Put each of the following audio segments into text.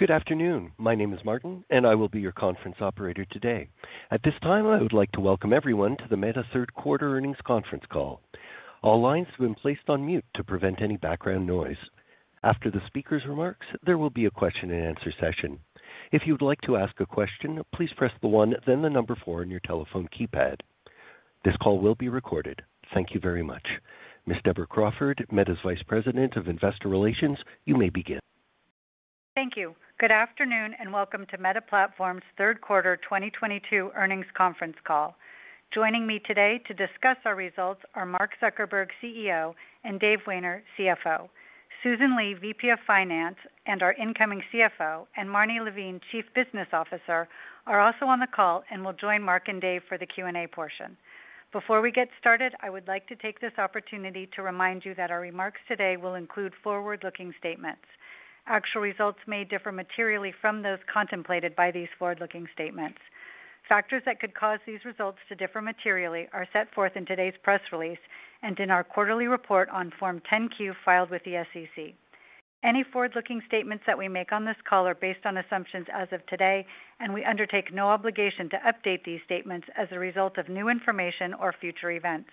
Good afternoon. My name is Martin, and I will be your conference operator today. At this time, I would like to welcome everyone to the Meta Third Quarter Earnings Conference Call. All lines have been placed on mute to prevent any background noise. After the speaker's remarks, there will be a question-and-answer session. If you would like to ask a question, please press the one, then the number four on your telephone keypad. This call will be recorded. Thank you very much. Ms. Deborah Crawford, Meta's Vice President of Investor Relations, you may begin. Thank you. Good afternoon, and welcome to Meta Platforms' third quarter 2022 earnings conference call. Joining me today to discuss our results are Mark Zuckerberg, CEO, and Dave Wehner, CFO. Susan Li, VP of Finance and our incoming CFO, and Marne Levine, Chief Business Officer, are also on the call and will join Mark and Dave for the Q&A portion. Before we get started, I would like to take this opportunity to remind you that our remarks today will include forward-looking statements. Actual results may differ materially from those contemplated by these forward-looking statements. Factors that could cause these results to differ materially are set forth in today's press release and in our quarterly report on Form 10-Q filed with the SEC. Any forward-looking statements that we make on this call are based on assumptions as of today, and we undertake no obligation to update these statements as a result of new information or future events.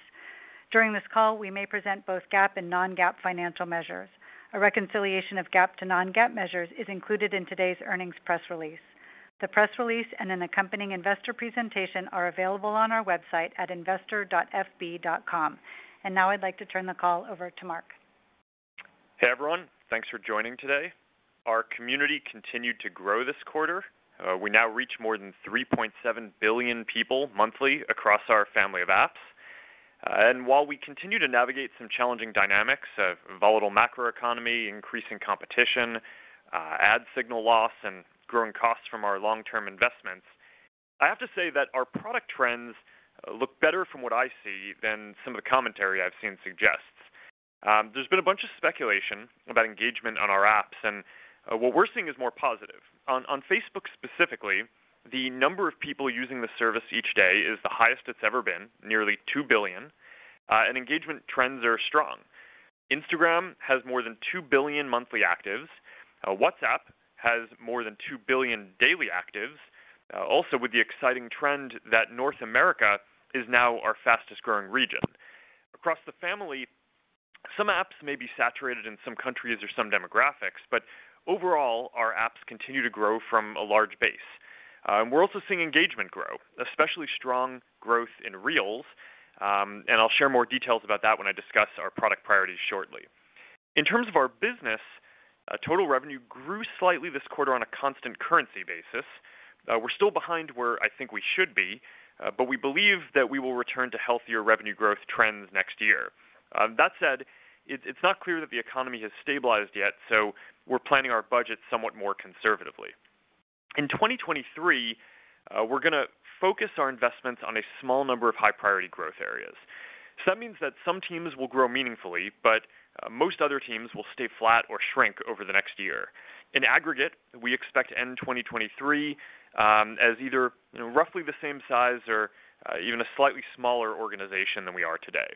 During this call, we may present both GAAP and non-GAAP financial measures. A reconciliation of GAAP to non-GAAP measures is included in today's earnings press release. The press release and an accompanying investor presentation are available on our website at investor.meta.com. Now I'd like to turn the call over to Mark. Hey, everyone. Thanks for joining today. Our community continued to grow this quarter. We now reach more than 3.7 billion people monthly across our family of apps. While we continue to navigate some challenging dynamics, a volatile macroeconomy, increasing competition, ad signal loss, and growing costs from our long-term investments, I have to say that our product trends look better from what I see than some of the commentary I've seen suggests. There's been a bunch of speculation about engagement on our apps, and what we're seeing is more positive. On Facebook specifically, the number of people using the service each day is the highest it's ever been, nearly 2 billion, and engagement trends are strong. Instagram has more than 2 billion monthly actives. WhatsApp has more than 2 billion daily actives, also with the exciting trend that North America is now our fastest-growing region. Across the family, some apps may be saturated in some countries or some demographics, but overall, our apps continue to grow from a large base. We're also seeing engagement grow, especially strong growth in Reels, and I'll share more details about that when I discuss our product priorities shortly. In terms of our business, total revenue grew slightly this quarter on a constant currency basis. We're still behind where I think we should be, but we believe that we will return to healthier revenue growth trends next year. That said, it's not clear that the economy has stabilized yet, so we're planning our budget somewhat more conservatively. In 2023, we're gonna focus our investments on a small number of high-priority growth areas. That means that some teams will grow meaningfully, but most other teams will stay flat or shrink over the next year. In aggregate, we expect to end 2023 as either roughly the same size or even a slightly smaller organization than we are today.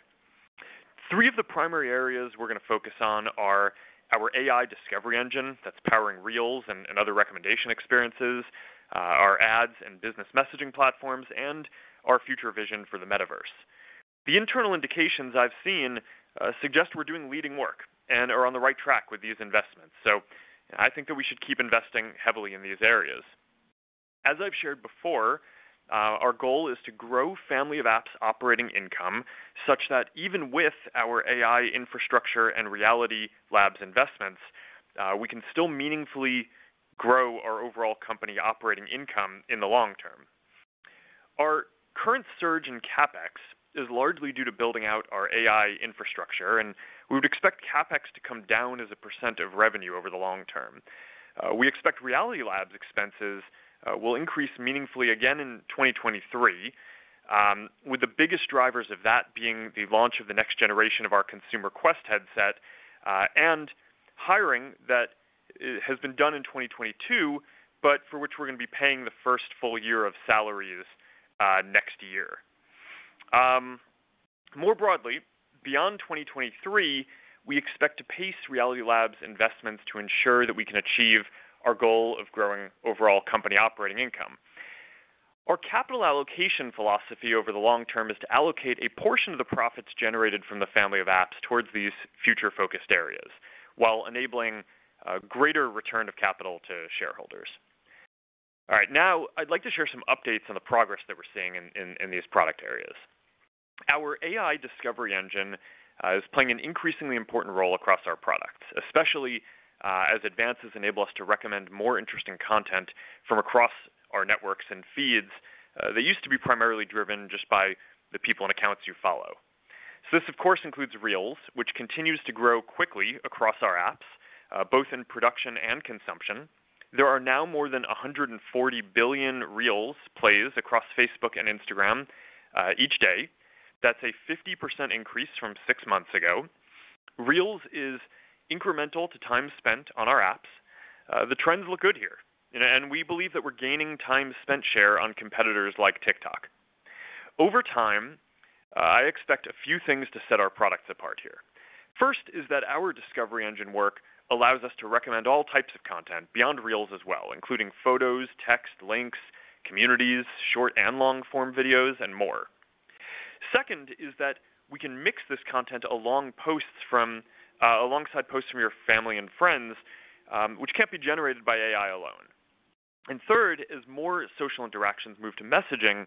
Three of the primary areas we're gonna focus on are our AI discovery engine that's powering Reels and other recommendation experiences, our ads and business messaging platforms, and our future vision for the Metaverse. The internal indications I've seen suggest we're doing leading work and are on the right track with these investments, so I think that we should keep investing heavily in these areas. As I've shared before, our goal is to grow family of apps operating income such that even with our AI infrastructure and Reality Labs investments, we can still meaningfully grow our overall company operating income in the long term. Our current surge in CapEx is largely due to building out our AI infrastructure, and we would expect CapEx to come down as a % of revenue over the long term. We expect Reality Labs expenses will increase meaningfully again in 2023, with the biggest drivers of that being the launch of the next generation of our consumer Quest headset, and hiring that has been done in 2022, but for which we're gonna be paying the first full year of salaries, next year. More broadly, beyond 2023, we expect to pace Reality Labs investments to ensure that we can achieve our goal of growing overall company operating income. Our capital allocation philosophy over the long term is to allocate a portion of the profits generated from the family of apps towards these future-focused areas while enabling a greater return of capital to shareholders. All right. Now, I'd like to share some updates on the progress that we're seeing in these product areas. Our AI discovery engine is playing an increasingly important role across our products, especially, as advances enable us to recommend more interesting content from across our networks and feeds that used to be primarily driven just by the people and accounts you follow. This, of course, includes Reels, which continues to grow quickly across our apps, both in production and consumption. There are now more than 140 billion Reels plays across Facebook and Instagram each day. That's a 50% increase from six months ago. Reels is incremental to time spent on our apps. The trends look good here, and we believe that we're gaining time spent share on competitors like TikTok. Over time, I expect a few things to set our products apart here. First is that our discovery engine work allows us to recommend all types of content beyond Reels as well, including photos, text, links, communities, short and long-form videos, and more. Second is that we can mix this content alongside posts from your family and friends, which can't be generated by AI alone. Third, as more social interactions move to messaging,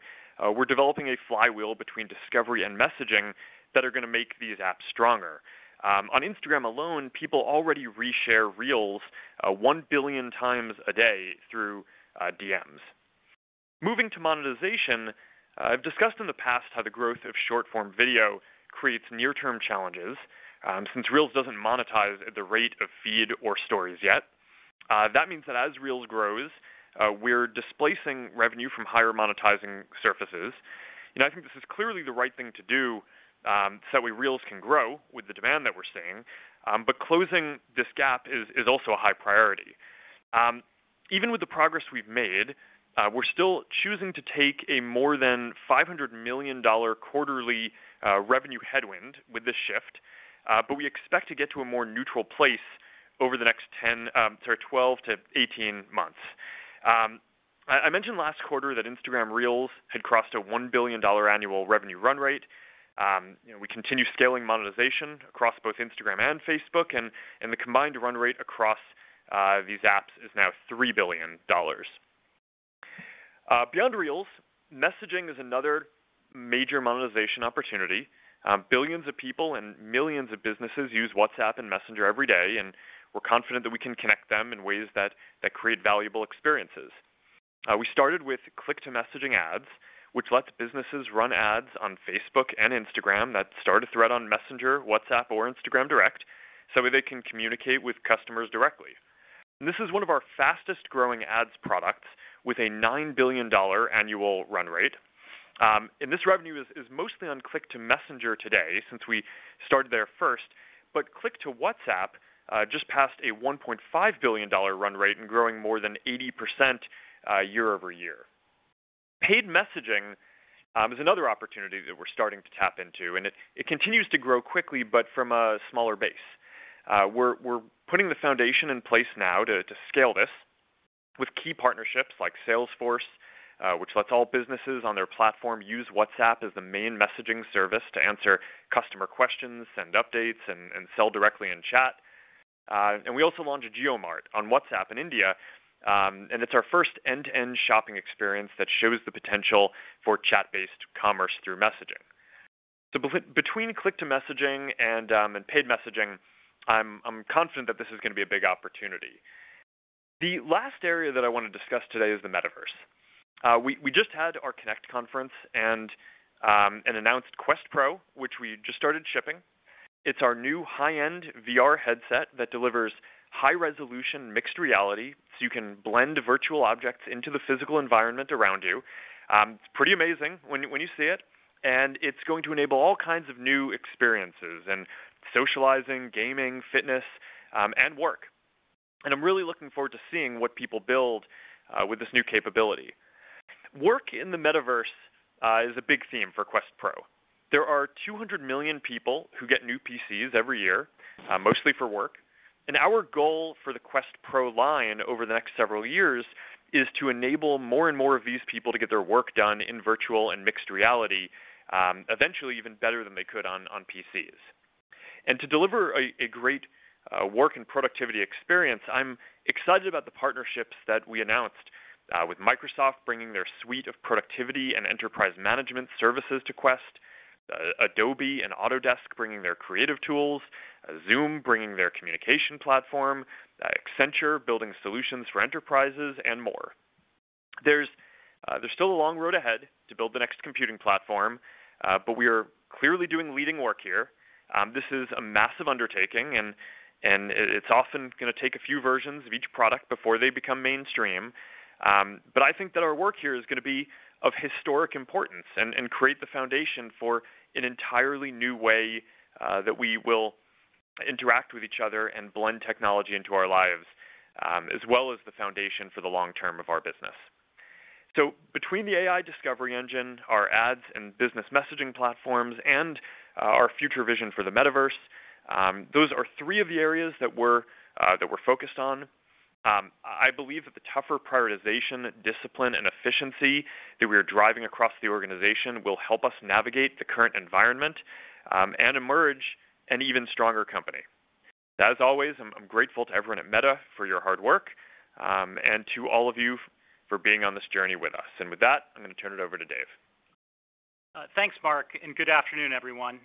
we're developing a flywheel between discovery and messaging that are gonna make these apps stronger. On Instagram alone, people already re-share Reels 1 billionx a day through DMs. Moving to monetization, I've discussed in the past how the growth of short-form video creates near-term challenges, since Reels doesn't monetize at the rate of Feed or Stories yet. That means that as Reels grows, we're displacing revenue from higher monetizing surfaces. I think this is clearly the right thing to do, so that way Reels can grow with the demand that we're seeing. Closing this gap is also a high priority. Even with the progress we've made, we're still choosing to take a more than $500 million quarterly revenue headwind with this shift, but we expect to get to a more neutral place over the next 12-18 months. I mentioned last quarter that Instagram Reels had crossed a $1 billion annual revenue run rate. You know, we continue scaling monetization across both Instagram and Facebook, and the combined run rate across these apps is now $3 billion. Beyond Reels, messaging is another major monetization opportunity. Billions of people and millions of businesses use WhatsApp and Messenger every day, and we're confident that we can connect them in ways that create valuable experiences. We started with click-to-messaging ads, which lets businesses run ads on Facebook and Instagram that start a thread on Messenger, WhatsApp, or Instagram Direct, so they can communicate with customers directly. This is one of our fastest-growing ads products with a $9 billion annual run rate. This revenue is mostly on click to Messenger today since we started there first. Click to WhatsApp just passed a $1.5 billion run rate and growing more than 80% year-over-year. Paid messaging is another opportunity that we're starting to tap into, and it continues to grow quickly, but from a smaller base. We're putting the foundation in place now to scale this with key partnerships like Salesforce, which lets all businesses on their platform use WhatsApp as the main messaging service to answer customer questions and updates and sell directly in chat. We also launched JioMart on WhatsApp in India, and it's our first end-to-end shopping experience that shows the potential for chat-based commerce through messaging. Between click-to-messaging and paid messaging, I'm confident that this is gonna be a big opportunity. The last area that I want to discuss today is the Metaverse. We just had our Connect conference and announced Quest Pro, which we just started shipping. It's our new high-end VR headset that delivers high-resolution mixed reality, so you can blend virtual objects into the physical environment around you. It's pretty amazing when you see it, and it's going to enable all kinds of new experiences in socializing, gaming, fitness, and work. I'm really looking forward to seeing what people build with this new capability. Work in the Metaverse is a big theme for Quest Pro. There are 200 million people who get new PCs every year, mostly for work. Our goal for the Quest Pro line over the next several years is to enable more and more of these people to get their work done in virtual and mixed reality, eventually even better than they could on PCs. To deliver a great work and productivity experience, I'm excited about the partnerships that we announced with Microsoft bringing their suite of productivity and enterprise management services to Quest, Adobe and Autodesk bringing their creative tools, Zoom bringing their communication platform, Accenture building solutions for enterprises, and more. There's still a long road ahead to build the next computing platform, but we are clearly doing leading work here. This is a massive undertaking and it's often gonna take a few versions of each product before they become mainstream. I think that our work here is gonna be of historic importance and create the foundation for an entirely new way that we will interact with each other and blend technology into our lives, as well as the foundation for the long term of our business. Between the AI discovery engine, our ads and business messaging platforms, and our future vision for the Metaverse, those are three of the areas that we're focused on. I believe that the tougher prioritization, discipline, and efficiency that we are driving across the organization will help us navigate the current environment, and emerge an even stronger company. As always, I'm grateful to everyone at Meta for your hard work, and to all of you for being on this journey with us. With that, I'm gonna turn it over to Dave. Thanks, Mark, and good afternoon, everyone.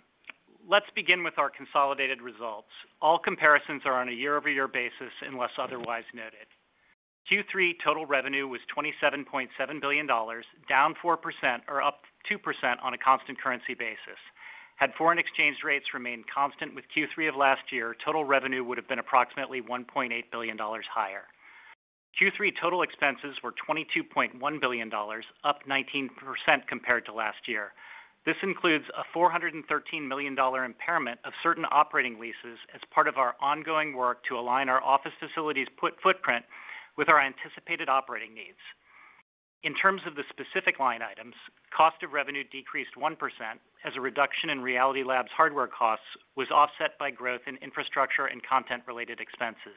Let's begin with our consolidated results. All comparisons are on a year-over-year basis, unless otherwise noted. Q3 total revenue was $27.7 billion, down 4% or up 2% on a constant currency basis. Had foreign exchange rates remained constant with Q3 of last year, total revenue would have been approximately $1.8 billion higher. Q3 total expenses were $22.1 billion, up 19% compared to last year. This includes a $413 million impairment of certain operating leases as part of our ongoing work to align our office facilities footprint with our anticipated operating needs. In terms of the specific line items, cost of revenue decreased 1% as a reduction in Reality Labs hardware costs was offset by growth in infrastructure and content-related expenses.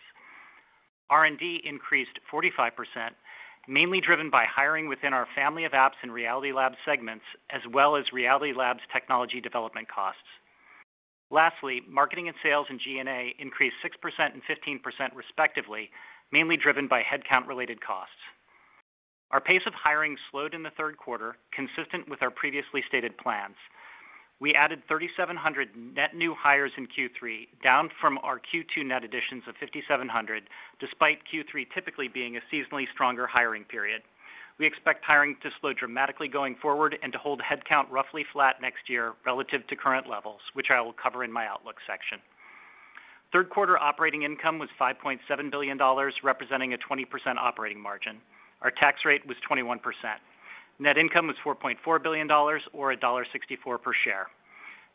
R&D increased 45%, mainly driven by hiring within our family of apps and Reality Labs segments, as well as Reality Labs technology development costs. Lastly, marketing and sales and G&A increased 6% and 15% respectively, mainly driven by headcount-related costs. Our pace of hiring slowed in the third quarter, consistent with our previously stated plans. We added 3,700 net new hires in Q3, down from our Q2 net additions of 5,700, despite Q3 typically being a seasonally stronger hiring period. We expect hiring to slow dramatically going forward and to hold headcount roughly flat next year relative to current levels, which I will cover in my outlook section. Third quarter operating income was $5.7 billion, representing a 20% operating margin. Our tax rate was 21%. Net income was $4.4 billion or $1.64 per share.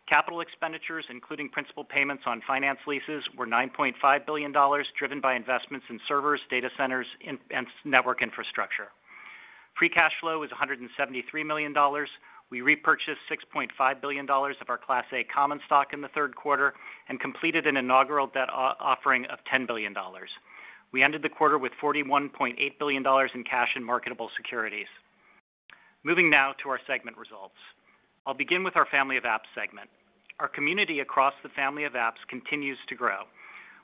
Capital expenditures, including principal payments on finance leases, were $9.5 billion, driven by investments in servers, data centers, and network infrastructure. Free cash flow was $173 million. We repurchased $6.5 billion of our Class A common stock in the third quarter and completed an inaugural debt offering of $10 billion. We ended the quarter with $41.8 billion in cash and marketable securities. Moving now to our segment results. I'll begin with our family of apps segment. Our community across the family of apps continues to grow.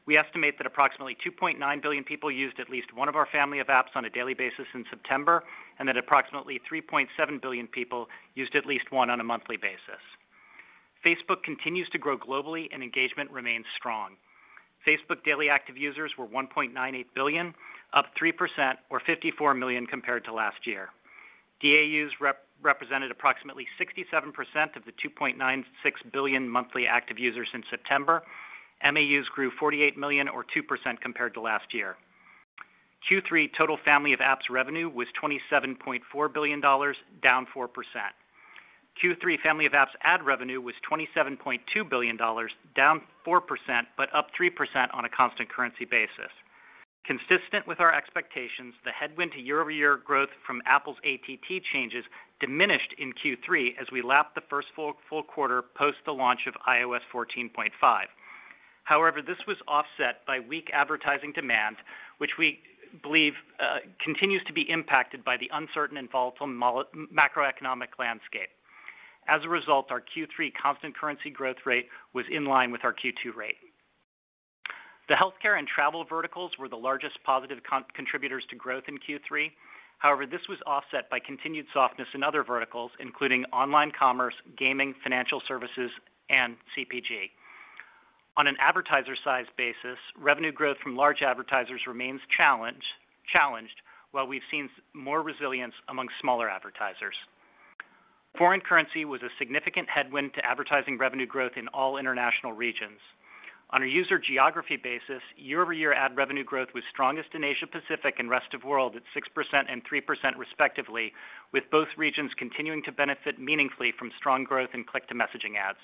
We estimate that approximately 2.9 billion people used at least one of our family of apps on a daily basis in September, and that approximately 3.7 billion people used at least one on a monthly basis. Facebook continues to grow globally and engagement remains strong. Facebook daily active users were 1.98 billion, up 3% or 54 million compared to last year. DAUs represented approximately 67% of the 2.96 billion monthly active users in September. MAUs grew 48 million or 2% compared to last year. Q3 total family of apps revenue was $27.4 billion, down 4%. Q3 family of apps ad revenue was $27.2 billion, down 4%, but up 3% on a constant currency basis. Consistent with our expectations, the headwind to year-over-year growth from Apple's ATT changes diminished in Q3 as we lapped the first full quarter post the launch of iOS 14.5. However, this was offset by weak advertising demand, which we believe continues to be impacted by the uncertain and volatile macroeconomic landscape. As a result, our Q3 constant currency growth rate was in line with our Q2 rate. The healthcare and travel verticals were the largest positive contributors to growth in Q3. However, this was offset by continued softness in other verticals, including online commerce, gaming, financial services, and CPG. On an advertiser size basis, revenue growth from large advertisers remains challenged, while we've seen more resilience among smaller advertisers. Foreign currency was a significant headwind to advertising revenue growth in all international regions. On a user geography basis, year-over-year ad revenue growth was strongest in Asia Pacific and rest of world at 6% and 3% respectively, with both regions continuing to benefit meaningfully from strong growth in click-to-messaging ads.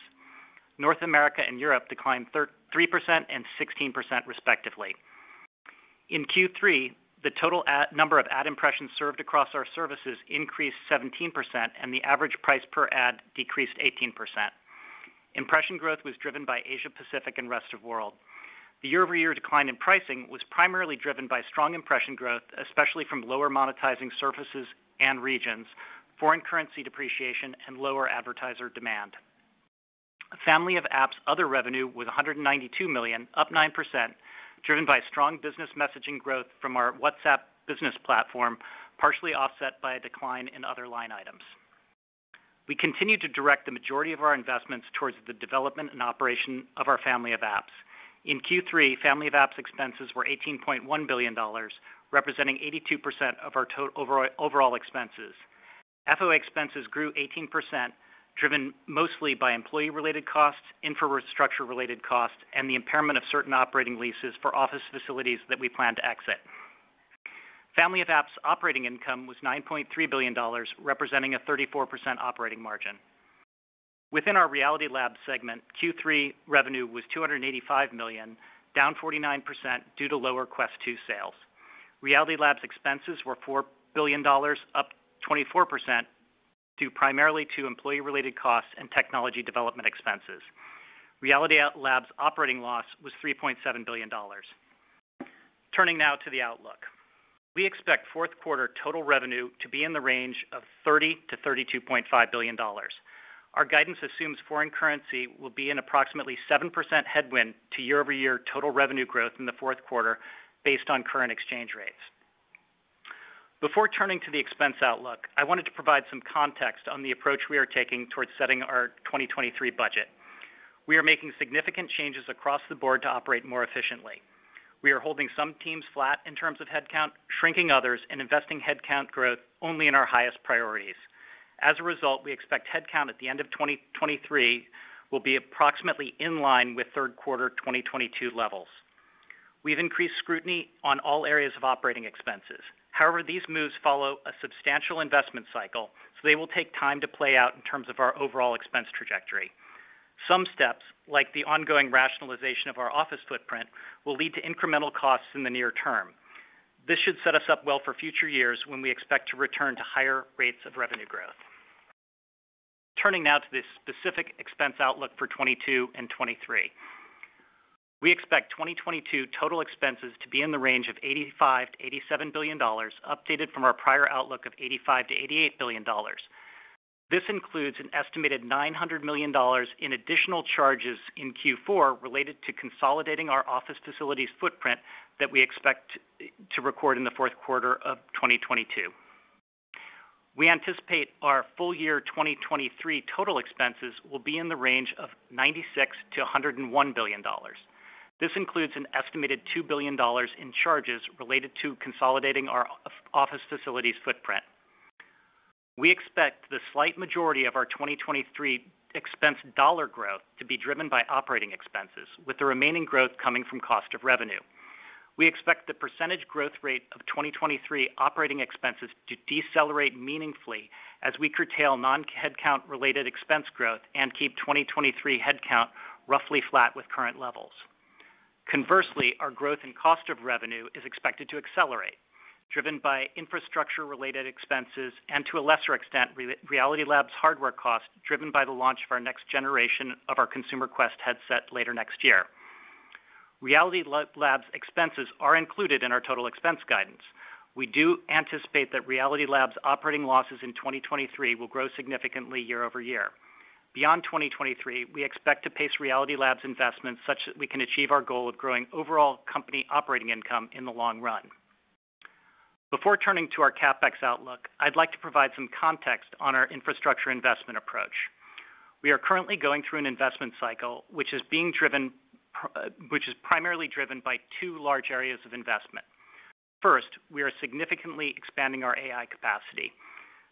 North America and Europe declined 3% and 16% respectively. In Q3, the total number of ad impressions served across our services increased 17%, and the average price per ad decreased 18%. Impression growth was driven by Asia Pacific and Rest of World. The year-over-year decline in pricing was primarily driven by strong impression growth, especially from lower monetizing services and regions, foreign currency depreciation, and lower advertiser demand. Family of Apps other revenue was $192 million, up 9%, driven by strong business messaging growth from our WhatsApp Business Platform, partially offset by a decline in other line items. We continue to direct the majority of our investments towards the development and operation of our Family of Apps. In Q3, Family of Apps expenses were $18.1 billion, representing 82% of our overall expenses. FOA expenses grew 18%, driven mostly by employee-related costs, infrastructure-related costs, and the impairment of certain operating leases for office facilities that we plan to exit. Family of Apps operating income was $9.3 billion, representing a 34% operating margin. Within our Reality Labs segment, Q3 revenue was $285 million, down 49% due to lower Quest 2 sales. Reality Labs expenses were $4 billion, up 24%, due primarily to employee-related costs and technology development expenses. Reality Labs' operating loss was $3.7 billion. Turning now to the outlook. We expect fourth quarter total revenue to be in the range of $30 billion-$32.5 billion. Our guidance assumes foreign currency will be an approximately 7% headwind to year-over-year total revenue growth in the fourth quarter based on current exchange rates. Before turning to the expense outlook, I wanted to provide some context on the approach we are taking towards setting our 2023 budget. We are making significant changes across the board to operate more efficiently. We are holding some teams flat in terms of headcount, shrinking others, and investing headcount growth only in our highest priorities. As a result, we expect headcount at the end of 2023 will be approximately in line with third quarter 2022 levels. We've increased scrutiny on all areas of operating expenses. However, these moves follow a substantial investment cycle, so they will take time to play out in terms of our overall expense trajectory. Some steps, like the ongoing rationalization of our office footprint, will lead to incremental costs in the near term. This should set us up well for future years when we expect to return to higher rates of revenue growth. Turning now to the specific expense outlook for 2022 and 2023. We expect 2022 total expenses to be in the range of $85 billion-$87 billion, updated from our prior outlook of $85 billion-$88 billion. This includes an estimated $900 million in additional charges in Q4 related to consolidating our office facilities footprint that we expect to record in the fourth quarter of 2022. We anticipate our full year 2023 total expenses will be in the range of $96 billion-$101 billion. This includes an estimated $2 billion in charges related to consolidating our office facilities footprint. We expect the slight majority of our 2023 expense dollar growth to be driven by operating expenses, with the remaining growth coming from cost of revenue. We expect the % growth rate of 2023 operating expenses to decelerate meaningfully as we curtail non-headcount related expense growth and keep 2023 headcount roughly flat with current levels. Conversely, our growth in cost of revenue is expected to accelerate, driven by infrastructure-related expenses and to a lesser extent, Reality Labs hardware costs, driven by the launch of our next generation of our consumer Quest headset later next year. Reality Labs expenses are included in our total expense guidance. We do anticipate that Reality Labs operating losses in 2023 will grow significantly year-over-year. Beyond 2023, we expect to pace Reality Labs investments such that we can achieve our goal of growing overall company operating income in the long run. Before turning to our CapEx outlook, I'd like to provide some context on our infrastructure investment approach. We are currently going through an investment cycle which is primarily driven by 2 large areas of investment. First, we are significantly expanding our AI capacity.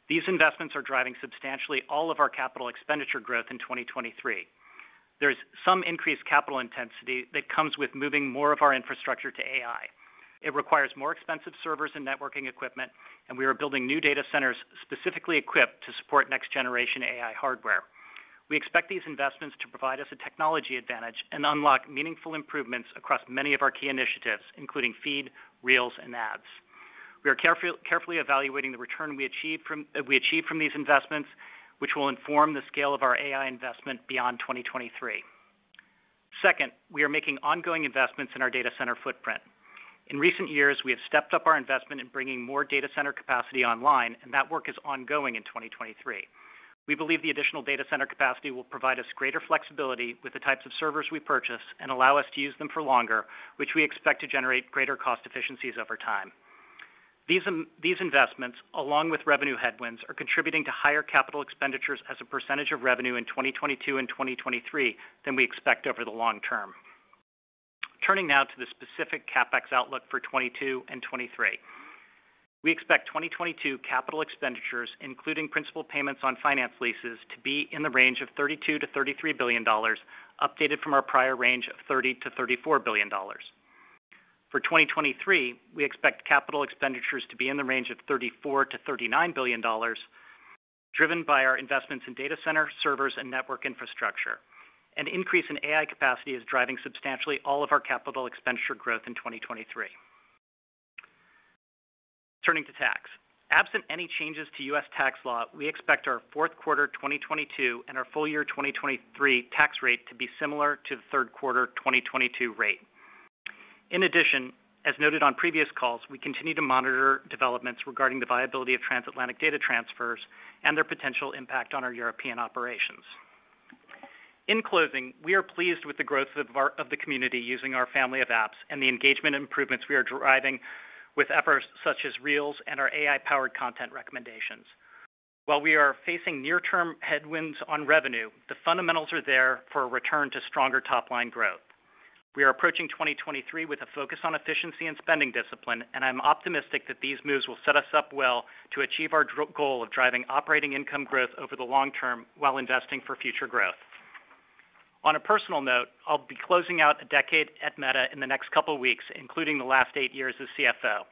These investments are driving substantially all of our capital expenditure growth in 2023. There's some increased capital intensity that comes with moving more of our infrastructure to AI. It requires more expensive servers and networking equipment, and we are building new data centers specifically equipped to support next-generation AI hardware. We expect these investments to provide us a technology advantage and unlock meaningful improvements across many of our key initiatives, including Feed, Reels and Ads. We are carefully evaluating the return we achieve from these investments, which will inform the scale of our AI investment beyond 2023. Second, we are making ongoing investments in our data center footprint. In recent years, we have stepped up our investment in bringing more data center capacity online, and that work is ongoing in 2023. We believe the additional data center capacity will provide us greater flexibility with the types of servers we purchase and allow us to use them for longer, which we expect to generate greater cost efficiencies over time. These investments, along with revenue headwinds, are contributing to higher capital expenditures as a % of revenue in 2022 and 2023 than we expect over the long term. Turning now to the specific CapEx outlook for 2022 and 2023. We expect 2022 capital expenditures, including principal payments on finance leases, to be in the range of $32 billion-$33 billion, updated from our prior range of $30 billion-$34 billion. For 2023, we expect capital expenditures to be in the range of $34 billion-$39 billion, driven by our investments in data center, servers and network infrastructure. An increase in AI capacity is driving substantially all of our capital expenditure growth in 2023. Turning to tax. Absent any changes to U.S. tax law, we expect our fourth quarter 2022 and our full year 2023 tax rate to be similar to the third quarter 2022 rate. In addition, as noted on previous calls, we continue to monitor developments regarding the viability of transatlantic data transfers and their potential impact on our European operations. In closing, we are pleased with the growth of our community using our family of apps and the engagement improvements we are driving with efforts such as Reels and our AI-powered content recommendations. While we are facing near-term headwinds on revenue, the fundamentals are there for a return to stronger top-line growth. We are approaching 2023 with a focus on efficiency and spending discipline, and I'm optimistic that these moves will set us up well to achieve our long-term goal of driving operating income growth over the long term while investing for future growth. On a personal note, I'll be closing out a decade at Meta in the next couple weeks, including the last eight years as CFO.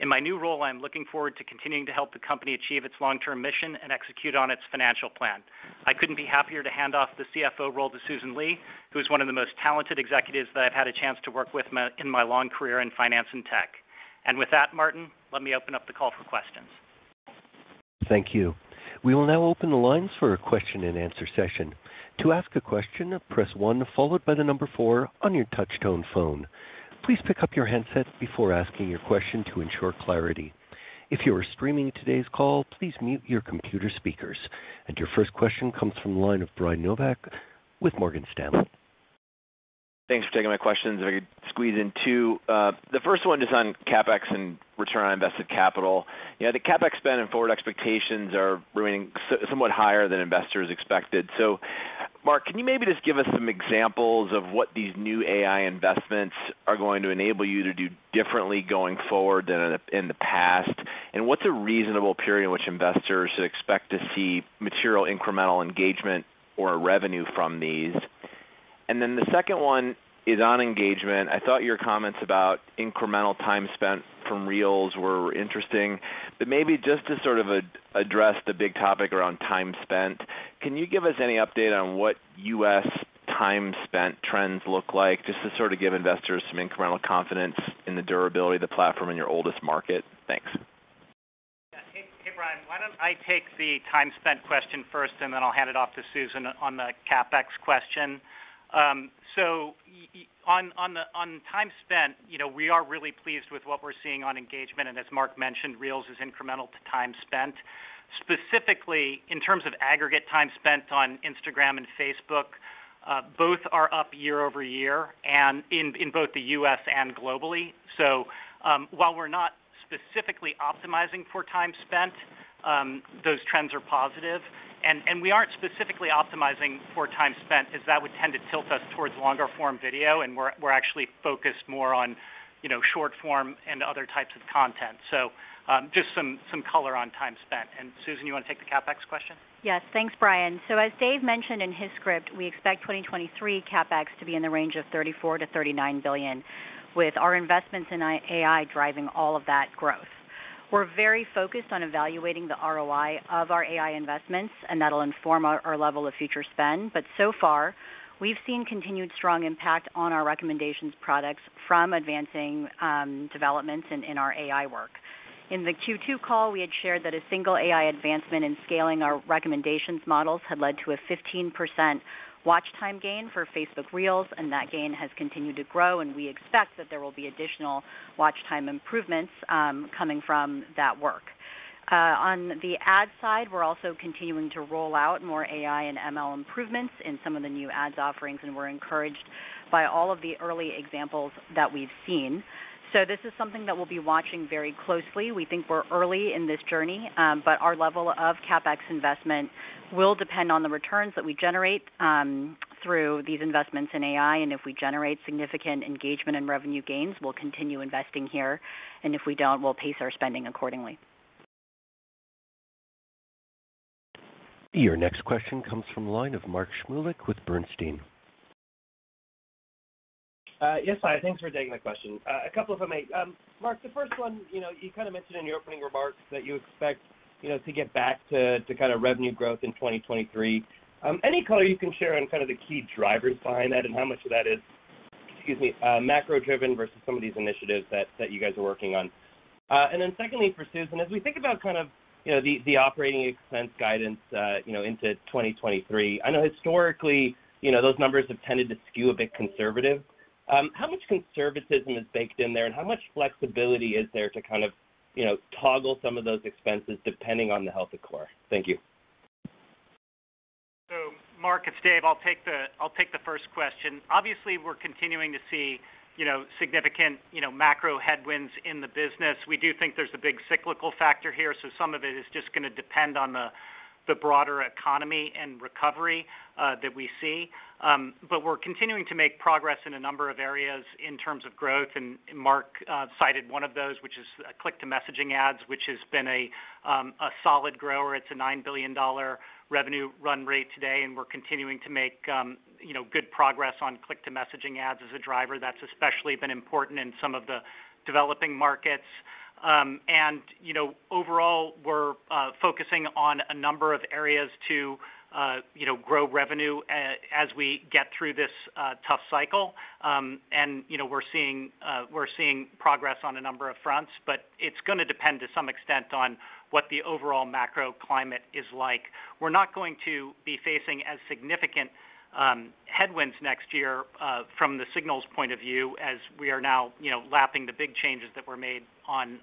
In my new role, I am looking forward to continuing to help the company achieve its long-term mission and execute on its financial plan. I couldn't be happier to hand off the CFO role to Susan Li, who is one of the most talented executives that I've had a chance to work with in my long career in finance and tech. With that, Martin, let me open up the call for questions. Thank you. We will now open the lines for a question-and-answer session. To ask a question, press one followed by the number four on your touch-tone phone. Please pick up your handsets before asking your question to ensure clarity. If you are streaming today's call, please mute your computer speakers. Your first question comes from the line of Brian Nowak with Morgan Stanley. Thanks for taking my questions. If I could squeeze in two. The first one is on CapEx and return on invested capital. You know, the CapEx spend and forward expectations are running somewhat higher than investors expected. Mark, can you maybe just give us some examples of what these new AI investments are going to enable you to do differently going forward than in the past? What's a reasonable period in which investors should expect to see material incremental engagement or revenue from these? Then the second one is on engagement. I thought your comments about incremental time spent from Reels were interesting, but maybe just to sort of address the big topic around time spent, can you give us any update on what U.S. time spent trends look like just to sort of give investors some incremental confidence in the durability of the platform in your oldest market? Thanks. Yeah. Hey, Brian, why don't I take the time spent question first, and then I'll hand it off to Susan on the CapEx question. On time spent, you know, we are really pleased with what we're seeing on engagement, and as Mark mentioned, Reels is incremental to time spent. Specifically in terms of aggregate time spent on Instagram and Facebook, both are up year-over-year and in both the U.S. and globally. While we're not specifically optimizing for time spent, those trends are positive. We aren't specifically optimizing for time spent as that would tend to tilt us towards longer form video, and we're actually focused more on, you know, short form and other types of content. Just some color on time spent. Susan, you wanna take the CapEx question? Yes. Thanks, Brian. As Dave mentioned in his script, we expect 2023 CapEx to be in the range of $34 billion-$39 billion, with our investments in AI driving all of that growth. We're very focused on evaluating the ROI of our AI investments, and that'll inform our level of future spend. So far, we've seen continued strong impact on our recommendations products from advancing developments in our AI work. In the Q2 call, we had shared that a single AI advancement in scaling our recommendations models had led to a 15% watch time gain for Facebook Reels, and that gain has continued to grow, and we expect that there will be additional watch time improvements coming from that work. On the ad side, we're also continuing to roll out more AI and ML improvements in some of the new ads offerings, and we're encouraged by all of the early examples that we've seen. This is something that we'll be watching very closely. We think we're early in this journey, but our level of CapEx investment will depend on the returns that we generate through these investments in AI. If we generate significant engagement and revenue gains, we'll continue investing here, and if we don't, we'll pace our spending accordingly. Your next question comes from the line of Mark Shmulik with Bernstein. Yes, hi. Thanks for taking my question. A couple of them, mate. Mark, the first one, you know, you kind of mentioned in your opening remarks that you expect, you know, to get back to kind of revenue growth in 2023. Any color you can share on kind of the key drivers behind that and how much of that is, excuse me, macro-driven versus some of these initiatives that you guys are working on? And then secondly for Susan, as we think about kind of, you know, the operating expense guidance, you know, into 2023, I know historically, you know, those numbers have tended to skew a bit conservative. How much conservatism is baked in there, and how much flexibility is there to kind of, you know, toggle some of those expenses depending on the health of core? Thank you. Mark, it's Dave. I'll take the first question. Obviously, we're continuing to see, you know, significant, you know, macro headwinds in the business. We do think there's a big cyclical factor here, so some of it is just gonna depend on the broader economy and recovery that we see. We're continuing to make progress in a number of areas in terms of growth. Mark cited one of those, which is click-to-messaging ads, which has been a solid grower. It's a $9 billion revenue run rate today, and we're continuing to make, you know, good progress on click-to-messaging ads as a driver. That's especially been important in some of the developing markets. You know, overall, we're focusing on a number of areas to you know, grow revenue as we get through this tough cycle. You know, we're seeing progress on a number of fronts, but it's gonna depend to some extent on what the overall macro climate is like. We're not going to be facing as significant headwinds next year from the signals point of view as we are now, you know, lapping the big changes that were made on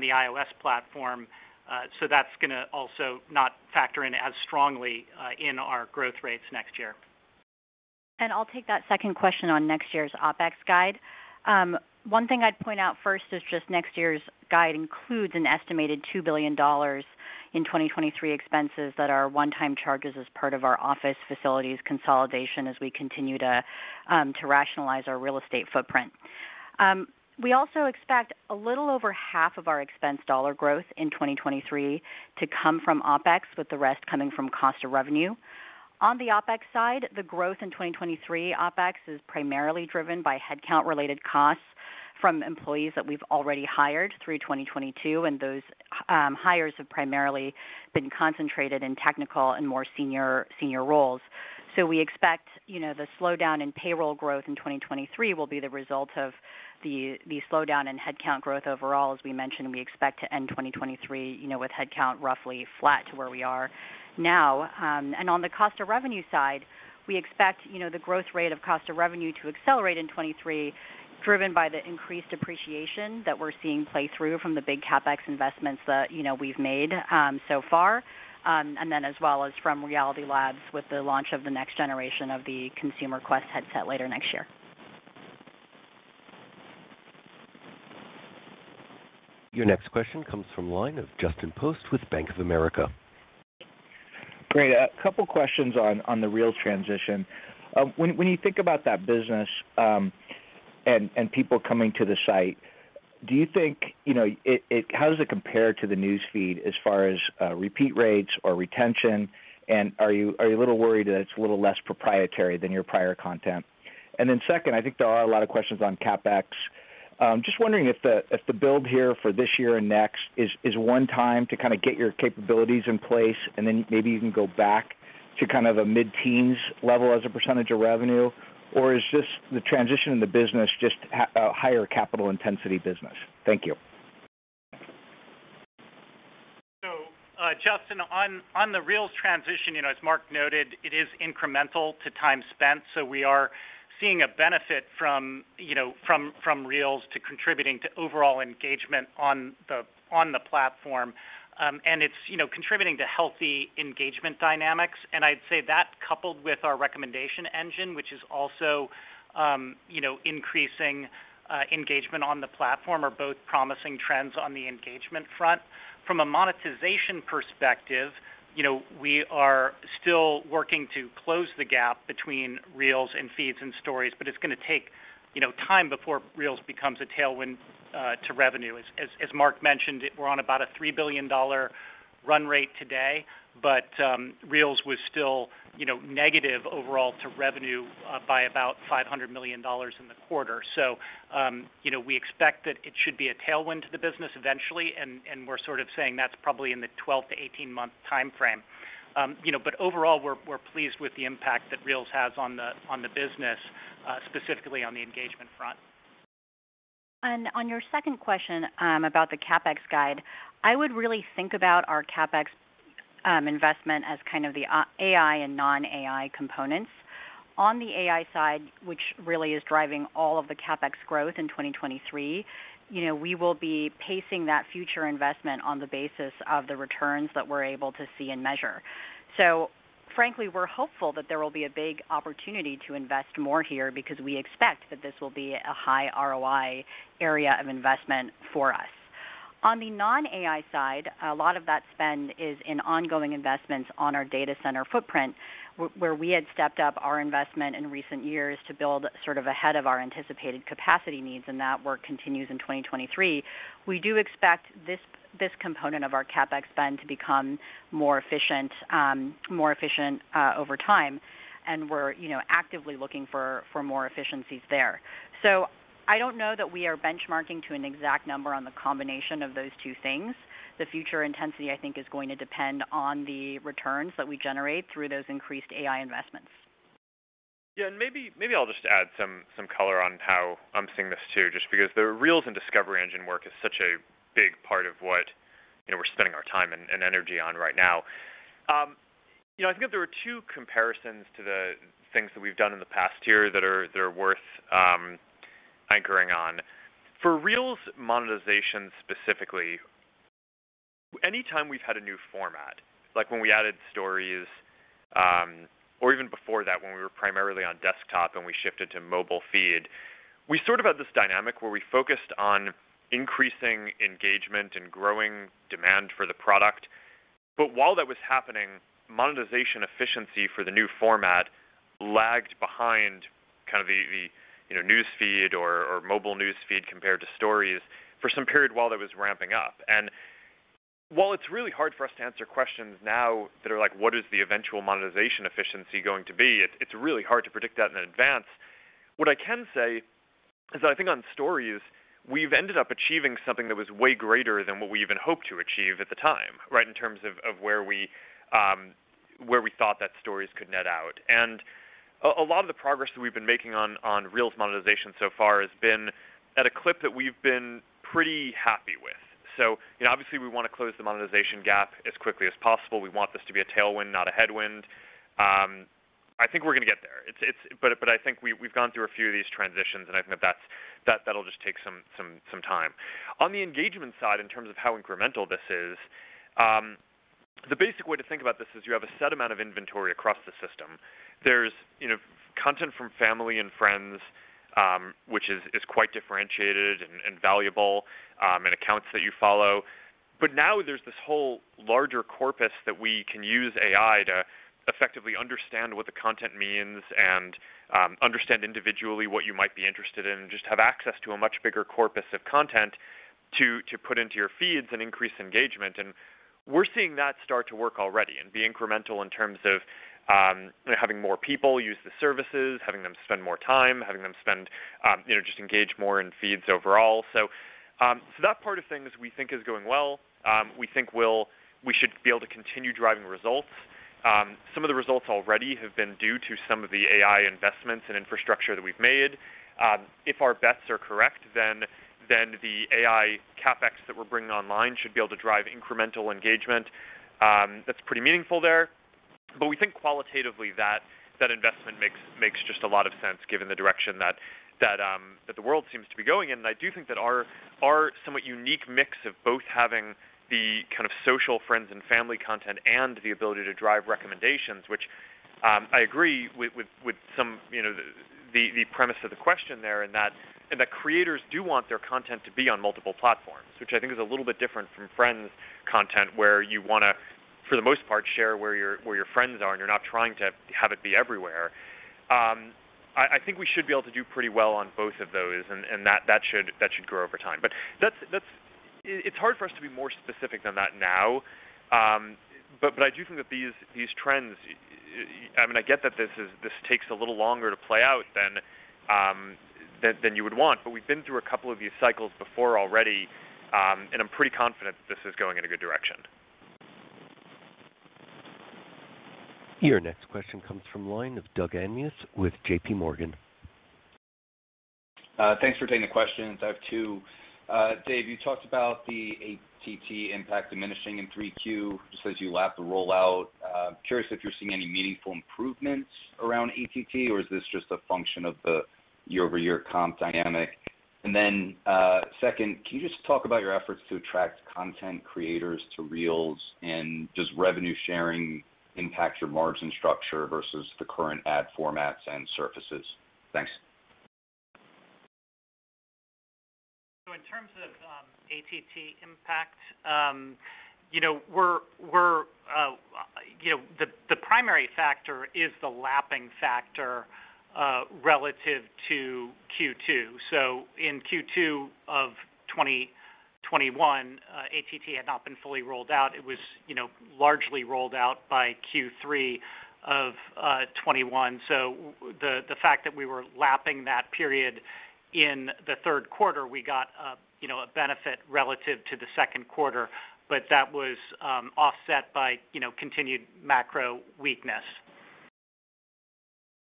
the iOS platform. That's gonna also not factor in as strongly in our growth rates next year. I'll take that second question on next year's OpEx guide. One thing I'd point out first is just next year's guide includes an estimated $2 billion in 2023 expenses that are one-time charges as part of our office facilities consolidation as we continue to rationalize our real estate footprint. We also expect a little over half of our expense dollar growth in 2023 to come from OpEx, with the rest coming from cost of revenue. On the OpEx side, the growth in 2023 OpEx is primarily driven by headcount-related costs from employees that we've already hired through 2022, and those hires have primarily been concentrated in technical and more senior roles. We expect, you know, the slowdown in payroll growth in 2023 will be the result of the slowdown in headcount growth overall. As we mentioned, we expect to end 2023, you know, with headcount roughly flat to where we are now. On the cost of revenue side, we expect, you know, the growth rate of cost of revenue to accelerate in 2023, driven by the increased depreciation that we're seeing play through from the big CapEx investments that, you know, we've made so far. As well as from Reality Labs with the launch of the next generation of the consumer Quest headset later next year. Your next question comes from the line of Justin Post with Bank of America. Great. A couple questions on the Reels transition. When you think about that business, People coming to the site, do you think, you know, it how does it compare to the news feed as far as repeat rates or retention? Are you a little worried that it's a little less proprietary than your prior content? Then second, I think there are a lot of questions on CapEx. Just wondering if the build here for this year and next is one time to kind of get your capabilities in place, and then maybe even go back to kind of a mid-teens level as a % of revenue, or is just the transition in the business just a higher capital intensity business? Thank you. Justin, on the Reels transition, you know, as Mark noted, it is incremental to time spent. We are seeing a benefit from, you know, from Reels to contributing to overall engagement on the platform. It's, you know, contributing to healthy engagement dynamics. I'd say that coupled with our recommendation engine, which is also, you know, increasing engagement on the platform, are both promising trends on the engagement front. From a monetization perspective, you know, we are still working to close the gap between Reels and Feeds and Stories, but it's gonna take, you know, time before Reels becomes a tailwind to revenue. As Mark mentioned, we're on about a $3 billion run rate today, but Reels was still, you know, negative overall to revenue by about $500 million in the quarter. You know, we expect that it should be a tailwind to the business eventually, and we're sort of saying that's probably in the 12-18 month timeframe. You know, overall, we're pleased with the impact that Reels has on the business, specifically on the engagement front. On your second question, about the CapEx guide, I would really think about our CapEx investment as kind of the AI and non-AI components. On the AI side, which really is driving all of the CapEx growth in 2023, you know, we will be pacing that future investment on the basis of the returns that we're able to see and measure. Frankly, we're hopeful that there will be a big opportunity to invest more here because we expect that this will be a high ROI area of investment for us. On the non-AI side, a lot of that spend is in ongoing investments on our data center footprint, where we had stepped up our investment in recent years to build sort of ahead of our anticipated capacity needs, and that work continues in 2023. We do expect this component of our CapEx spend to become more efficient over time, and we're, you know, actively looking for more efficiencies there. I don't know that we are benchmarking to an exact number on the combination of those two things. The future intensity, I think, is going to depend on the returns that we generate through those increased AI investments. Yeah. Maybe I'll just add some color on how I'm seeing this too, just because the Reels and discovery engine work is such a big part of what, you know, we're spending our time and energy on right now. You know, I think that there are two comparisons to the things that we've done in the past here that are worth anchoring on. For Reels monetization specifically, anytime we've had a new format, like when we added Stories, or even before that, when we were primarily on desktop and we shifted to mobile Feed, we sort of had this dynamic where we focused on increasing engagement and growing demand for the product. While that was happening, monetization efficiency for the new format lagged behind kind of the News Feed or mobile News Feed compared to Stories for some period while that was ramping up. While it's really hard for us to answer questions now that are like, "What is the eventual monetization efficiency going to be?" It's really hard to predict that in advance. What I can say is I think on Stories, we've ended up achieving something that was way greater than what we even hoped to achieve at the time, right? In terms of where we thought that Stories could net out. A lot of the progress that we've been making on Reels monetization so far has been at a clip that we've been pretty happy with. You know, obviously we want to close the monetization gap as quickly as possible. We want this to be a tailwind, not a headwind. I think we're gonna get there. I think we've gone through a few of these transitions, and I think that'll just take some time. On the engagement side, in terms of how incremental this is, the basic way to think about this is you have a set amount of inventory across the system. There's, you know, content from family and friends, which is quite differentiated and valuable, and accounts that you follow. Now there's this whole larger corpus that we can use AI to effectively understand what the content means and understand individually what you might be interested in, just have access to a much bigger corpus of content to put into your feeds and increase engagement. We're seeing that start to work already and be incremental in terms of having more people use the services, having them spend more time, you know, just engage more in feeds overall. That part of things we think is going well. We should be able to continue driving results. Some of the results already have been due to some of the AI investments and infrastructure that we've made. If our bets are correct, then the AI CapEx that we're bringing online should be able to drive incremental engagement, that's pretty meaningful there. But we think qualitatively that that investment makes just a lot of sense given the direction that the world seems to be going in. I do think that our somewhat unique mix of both having the kind of social friends and family content and the ability to drive recommendations, which I agree with some, you know, the premise of the question there, and that creators do want their content to be on multiple platforms, which I think is a little bit different from friends content, where you wanna, for the most part, share where your friends are, and you're not trying to have it be everywhere. I think we should be able to do pretty well on both of those, and that should grow over time. It's hard for us to be more specific than that now, but I do think that these trends, I mean, I get that this takes a little longer to play out than you would want. We've been through a couple of these cycles before already, and I'm pretty confident that this is going in a good direction. Your next question comes from the line of Douglas Anmuth with JPMorgan. Thanks for taking the questions. I have two. Dave, you talked about the ATT impact diminishing in 3Q, just as you lap the rollout. Curious if you're seeing any meaningful improvements around ATT, or is this just a function of the year-over-year comp dynamic? Second, can you just talk about your efforts to attract content creators to Reels, and does revenue sharing impact your margin structure versus the current ad formats and surfaces? Thanks. In terms of ATT impact, you know, we're, you know, the primary factor is the lapping factor relative to Q2. In Q2 of 2021, ATT had not been fully rolled out. It was, you know, largely rolled out by Q3 of 2021. The fact that we were lapping that period in the third quarter, we got, you know, a benefit relative to the second quarter, but that was offset by, you know, continued macro weakness.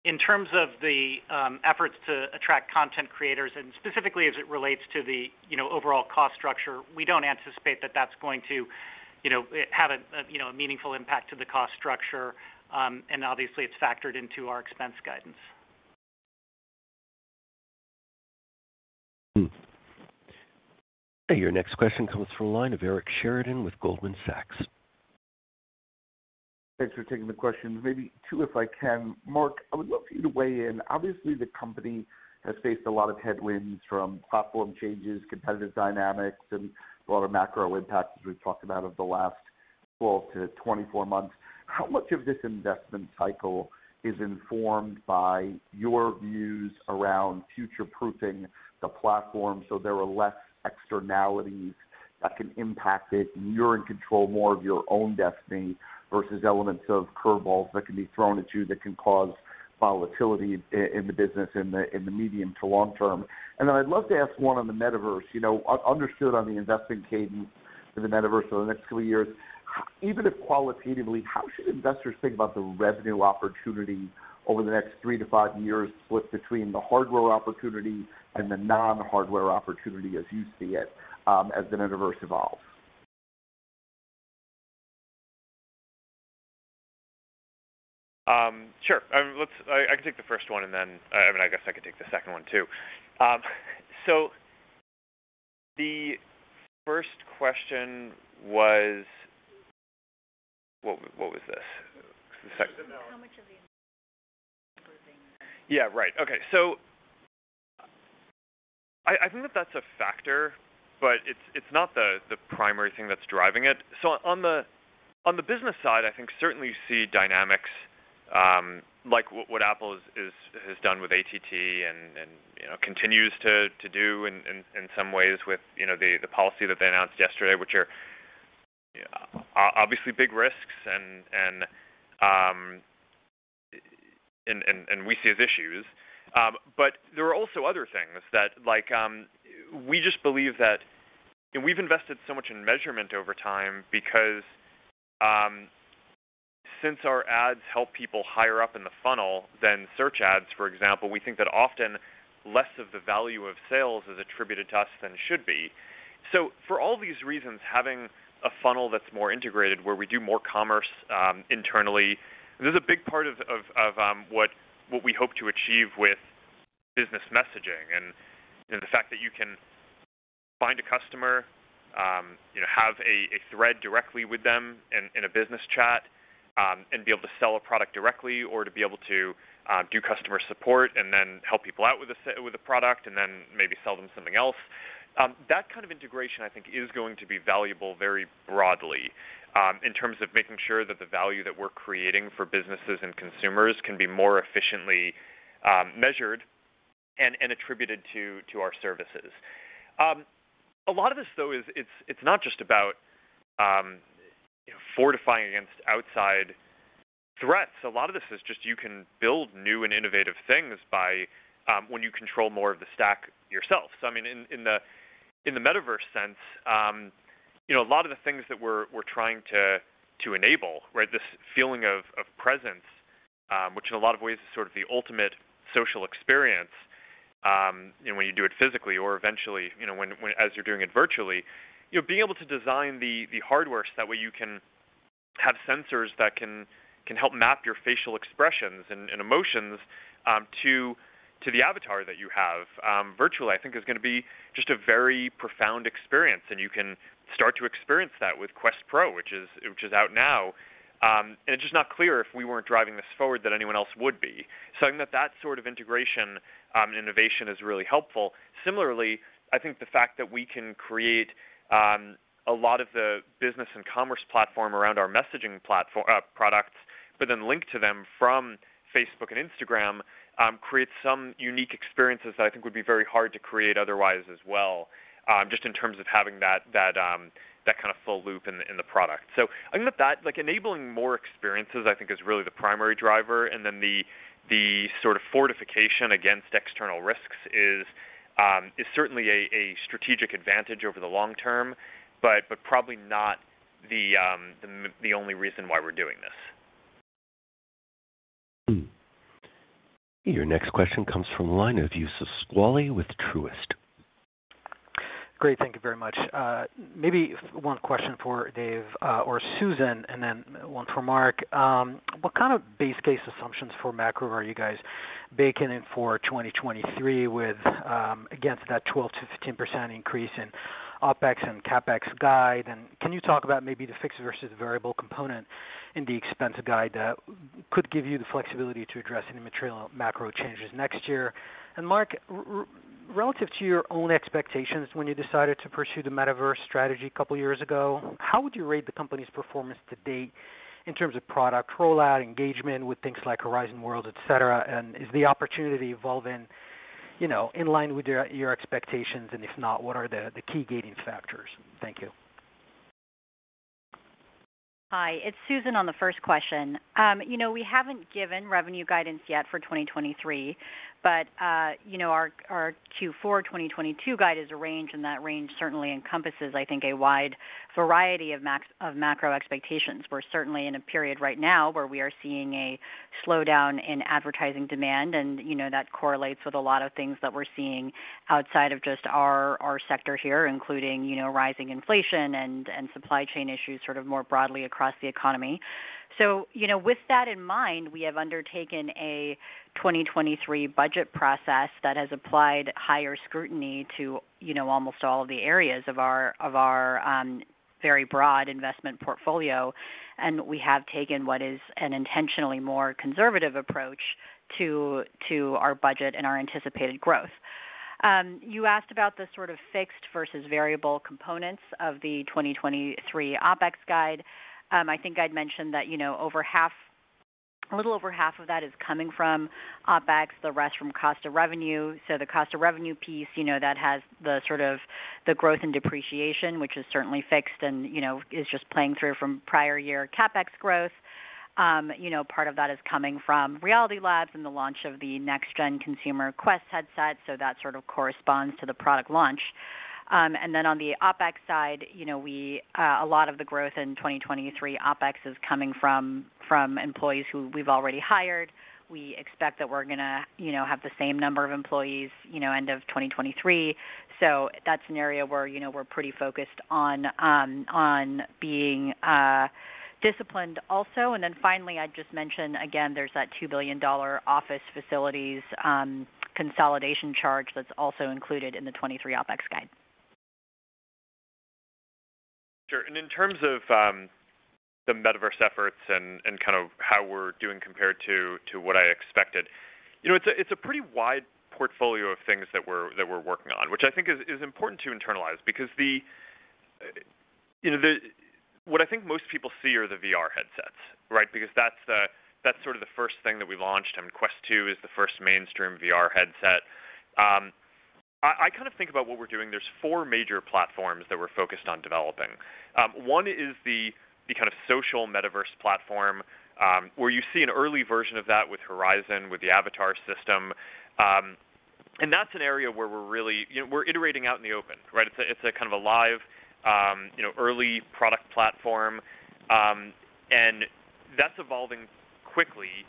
In terms of the efforts to attract content creators, and specifically as it relates to the, you know, overall cost structure, we don't anticipate that that's going to, you know, have a, you know, a meaningful impact to the cost structure. Obviously it's factored into our expense guidance. Your next question comes from a line of Eric Sheridan with Goldman Sachs. Thanks for taking the questions. Maybe two, if I can. Mark, I would love for you to weigh in. Obviously, the company has faced a lot of headwinds from platform changes, competitive dynamics, and a lot of macro impacts, as we've talked about over the last 12-24 months. How much of this investment cycle is informed by your views around future-proofing the platform so there are less externalities that can impact it, and you're in control more of your own destiny versus elements of curveballs that can be thrown at you that can cause volatility in the business in the medium to long term? I'd love to ask one on the Metaverse. You know, understood on the investing cadence for the Metaverse over the next two years. Even if qualitatively, how should investors think about the revenue opportunity over the next 3-5 years, split between the hardware opportunity and the non-hardware opportunity as you see it, as the Metaverse evolves? Sure. I can take the first one, and then, I mean, I guess I could take the second one, too. The first question was what was this? The second How much of the Yeah. Right. Okay. I think that that's a factor, but it's not the primary thing that's driving it. On the business side, I think certainly you see dynamics like what Apple has done with ATT and you know, continues to do in some ways with the policy that they announced yesterday, which are obviously big risks and we see as issues. But there are also other things that like we just believe that. We've invested so much in measurement over time because since our ads help people higher up in the funnel than search ads, for example, we think that often less of the value of sales is attributed to us than should be. For all these reasons, having a funnel that's more integrated, where we do more commerce internally, this is a big part of what we hope to achieve with business messaging. You know, the fact that you can find a customer, you know, have a thread directly with them in a business chat and be able to sell a product directly or to be able to do customer support and then help people out with a product and then maybe sell them something else. That kind of integration, I think, is going to be valuable very broadly in terms of making sure that the value that we're creating for businesses and consumers can be more efficiently measured and attributed to our services. A lot of this, though, is, it's not just about fortifying against outside threats. A lot of this is just you can build new and innovative things by when you control more of the stack yourself. I mean, in the Metaverse sense, you know, a lot of the things that we're trying to enable, right? This feeling of presence, which in a lot of ways is sort of the ultimate social experience, you know, when you do it physically or eventually, when as you're doing it virtually. You know, being able to design the hardware so that way you can have sensors that can help map your facial expressions and emotions to the avatar that you have virtually, I think is gonna be just a very profound experience. You can start to experience that with Quest Pro, which is out now. It's just not clear if we weren't driving this forward that anyone else would be. I think that sort of integration and innovation is really helpful. Similarly, I think the fact that we can create a lot of the business and commerce platform around our messaging products, but then link to them from Facebook and Instagram, creates some unique experiences that I think would be very hard to create otherwise as well, just in terms of having that kind of full loop in the product. I think that like enabling more experiences, I think, is really the primary driver. The sort of fortification against external risks is certainly a strategic advantage over the long term, but probably not the only reason why we're doing this. Your next question comes from the line of Youssef Squali with Truist. Great. Thank you very much. Maybe one question for Dave, or Susan, and then one for Mark. What kind of base case assumptions for macro are you guys baking in for 2023 with, against that 12%-15% increase in OpEx and CapEx guide? And can you talk about maybe the fixed versus variable component in the expense guide that could give you the flexibility to address any material macro changes next year? And Mark, relative to your own expectations when you decided to pursue the Metaverse strategy a couple years ago, how would you rate the company's performance to date in terms of product rollout, engagement with things like Horizon Worlds, et cetera? And is the opportunity evolving, you know, in line with your expectations? And if not, what are the key gating factors? Thank you. Hi, it's Susan on the first question. You know, we haven't given revenue guidance yet for 2023, but you know, our Q4 2022 guide is a range, and that range certainly encompasses, I think, a wide variety of macro expectations. We're certainly in a period right now where we are seeing a slowdown in advertising demand, and you know, that correlates with a lot of things that we're seeing outside of just our sector here, including you know, rising inflation and supply chain issues sort of more broadly across the economy. You know, with that in mind, we have undertaken a 2023 budget process that has applied higher scrutiny to, you know, almost all of the areas of our very broad investment portfolio, and we have taken what is an intentionally more conservative approach to our budget and our anticipated growth. You asked about the sort of fixed versus variable components of the 2023 OpEx guide. I think I'd mentioned that, you know, over half, a little over half of that is coming from OpEx, the rest from cost of revenue. The cost of revenue piece, you know, that has the sort of growth in depreciation, which is certainly fixed and, you know, is just playing through from prior year CapEx growth. You know, part of that is coming from Reality Labs and the launch of the next gen consumer Quest headsets, so that sort of corresponds to the product launch. Then on the OpEx side, you know, we, a lot of the growth in 2023 OpEx is coming from employees who we've already hired. We expect that we're gonna, you know, have the same number of employees, you know, end of 2023. That's an area where, you know, we're pretty focused on being, disciplined also. Finally, I'd just mention again there's that $2 billion office facilities consolidation charge that's also included in the 2023 OpEx guide. Sure. In terms of the Metaverse efforts and kind of how we're doing compared to what I expected. You know, it's a pretty wide portfolio of things that we're working on, which I think is important to internalize because you know, what I think most people see are the VR headsets, right? Because that's sort of the first thing that we launched, and Quest 2 is the first mainstream VR headset. I kind of think about what we're doing. There's four major platforms that we're focused on developing. One is the kind of social Metaverse platform, where you see an early version of that with Horizon, with the avatar system. That's an area where we're really, you know, we're iterating out in the open, right? It's a kind of a live, you know, early product platform. That's evolving quickly,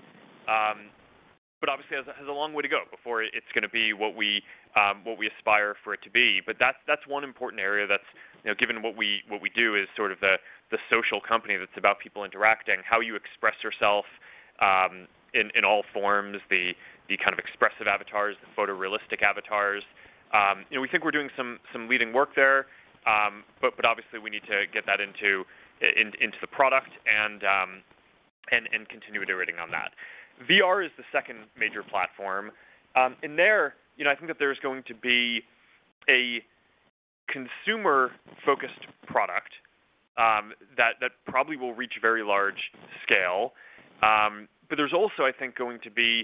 but obviously has a long way to go before it's gonna be what we aspire for it to be. That's one important area that's, you know, given what we do is sort of the social company that's about people interacting, how you express yourself, in all forms, the kind of expressive avatars, the photorealistic avatars. You know, we think we're doing some leading work there, but obviously we need to get that into the product and continue iterating on that. VR is the second major platform. There, you know, I think that there's going to be a consumer-focused product that probably will reach very large scale. There's also, I think, going to be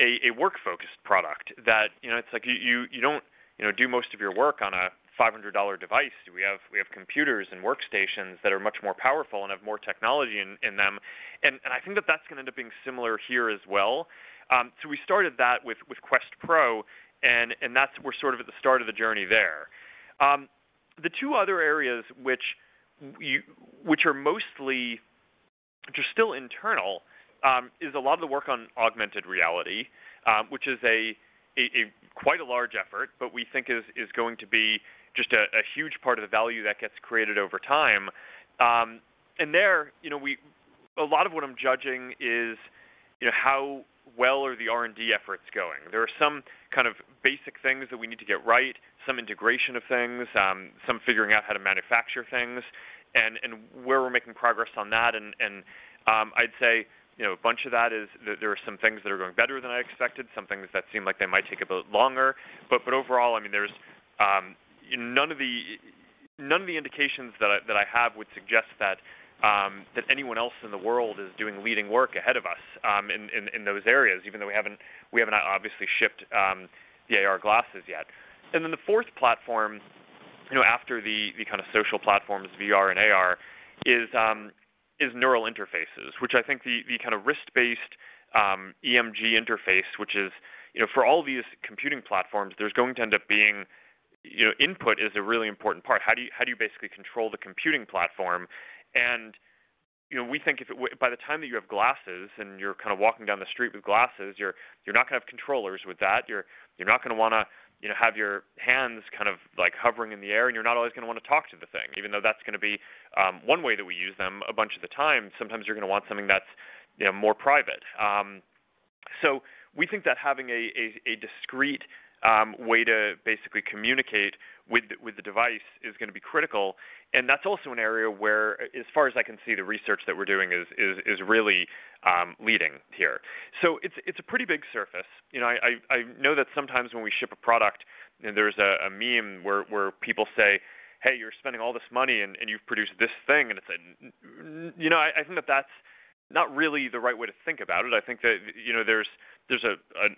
a work-focused product that, you know, it's like you don't, you know, do most of your work on a $500 device. We have computers and workstations that are much more powerful and have more technology in them. I think that that's gonna end up being similar here as well. We started that with Quest Pro, and that's, we're sort of at the start of the journey there. The two other areas which you, which are still internal, is a lot of the work on augmented reality, which is a quite large effort, but we think is going to be just a huge part of the value that gets created over time. A lot of what I'm judging is you know, how well are the R&D efforts going? There are some kind of basic things that we need to get right, some integration of things, some figuring out how to manufacture things and, I'd say, you know, a bunch of that is. There are some things that are going better than I expected, some things that seem like they might take a bit longer. Overall, I mean, there's none of the indications that I have would suggest that anyone else in the world is doing leading work ahead of us, in those areas, even though we haven't obviously shipped the AR glasses yet. Then the fourth platform, you know, after the kind of social platforms, VR and AR, is neural interfaces, which I think the kind of wrist-based EMG interface, which is, you know, for all of these computing platforms, there's going to end up being, you know, input is a really important part. How do you basically control the computing platform? You know, we think by the time that you have glasses and you're kind of walking down the street with glasses, you're not gonna have controllers with that. You're not gonna wanna, you know, have your hands kind of like hovering in the air, and you're not always gonna wanna talk to the thing, even though that's gonna be one way that we use them a bunch of the time. Sometimes you're gonna want something that's, you know, more private. We think that having a discreet way to basically communicate with the device is gonna be critical. That's also an area where, as far as I can see, the research that we're doing is really leading here. It's a pretty big surface. You know, I know that sometimes when we ship a product and there's a meme where people say, "Hey, you're spending all this money and you've produced this thing." It's like, you know, I think that that's not really the right way to think about it. I think that, you know, there's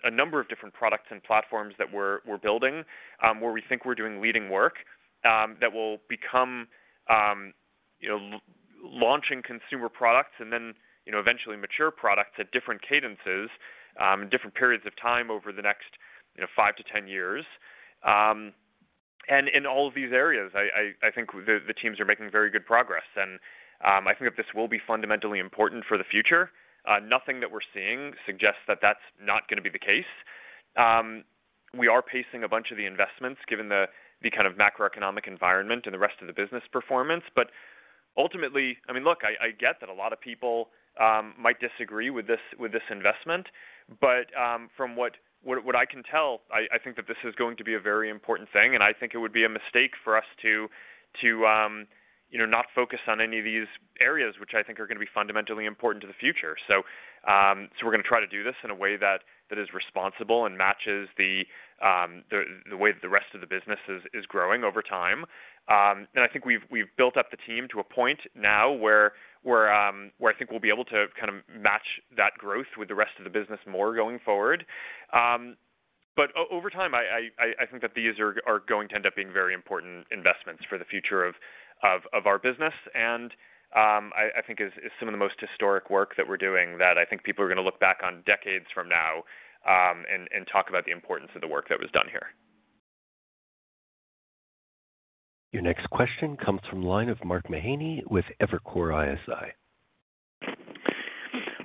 a number of different products and platforms that we're building, where we think we're doing leading work, that will become, you know, launching consumer products and then, you know, eventually mature products at different cadences, in different periods of time over the next, you know, 5-10 years. In all of these areas, I think the teams are making very good progress. I think that this will be fundamentally important for the future. Nothing that we're seeing suggests that that's not gonna be the case. We are pacing a bunch of the investments given the kind of macroeconomic environment and the rest of the business performance. Ultimately, I mean, look, I get that a lot of people might disagree with this investment. From what I can tell, I think that this is going to be a very important thing, and I think it would be a mistake for us to, you know, not focus on any of these areas which I think are gonna be fundamentally important to the future. We're gonna try to do this in a way that is responsible and matches the way that the rest of the business is growing over time. I think we've built up the team to a point now where I think we'll be able to kind of match that growth with the rest of the business more going forward. Over time, I think that these are going to end up being very important investments for the future of our business. I think is some of the most historic work that we're doing that I think people are gonna look back on decades from now, and talk about the importance of the work that was done here. Your next question comes from the line of Mark Mahaney with Evercore ISI.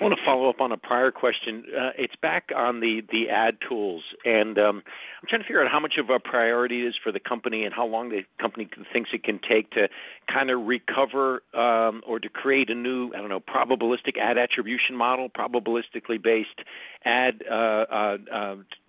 I want to follow up on a prior question. It's back on the ad tools. I'm trying to figure out how much of a priority it is for the company and how long the company thinks it can take to kind of recover, or to create a new, I don't know, probabilistic ad attribution model, probabilistically based ad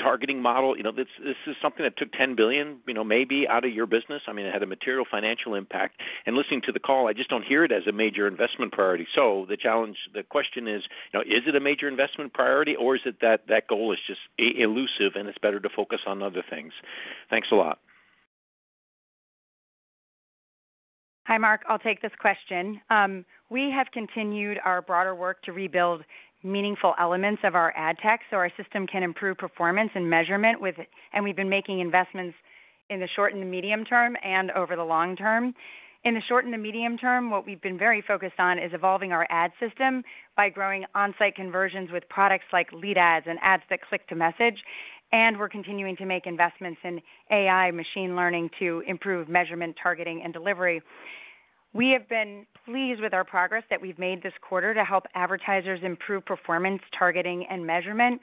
targeting model. You know, this is something that took $10 billion, you know, maybe out of your business. I mean, it had a material financial impact. Listening to the call, I just don't hear it as a major investment priority. The question is, you know, is it a major investment priority, or is it that goal is just elusive and it's better to focus on other things? Thanks a lot. Hi, Mark. I'll take this question. We have continued our broader work to rebuild meaningful elements of our ad tech so our system can improve performance and measurement with it. We've been making investments in the short and the medium term and over the long term. In the short and the medium term, what we've been very focused on is evolving our ad system by growing on-site conversions with products like lead ads and ads that click to message. We're continuing to make investments in AI machine learning to improve measurement, targeting, and delivery. We have been pleased with our progress that we've made this quarter to help advertisers improve performance, targeting, and measurement.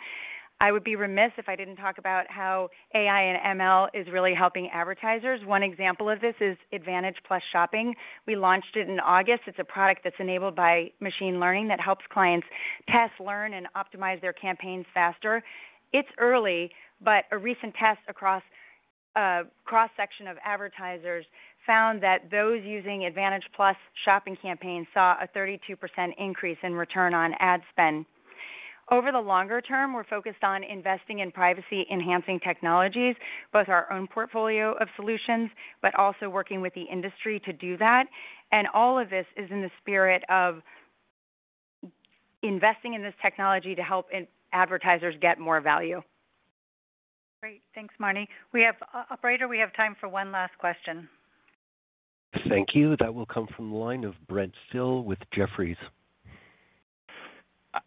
I would be remiss if I didn't talk about how AI and ML is really helping advertisers. One example of this is Advantage+ Shopping. We launched it in August. It's a product that's enabled by machine learning that helps clients test, learn, and optimize their campaigns faster. It's early, but a recent test across a cross-section of advertisers found that those using Advantage+ Shopping campaigns saw a 32% increase in return on ad spend. Over the longer term, we're focused on investing in privacy-enhancing technologies, both our own portfolio of solutions, but also working with the industry to do that. All of this is in the spirit of investing in this technology to help advertisers get more value. Great. Thanks, Marne. Operator, we have time for one last question. Thank you. That will come from the line of Brent Thill with Jefferies.